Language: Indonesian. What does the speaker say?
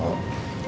bentar lagi kok